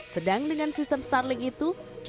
sedang dengan sistem setelah dihubungkan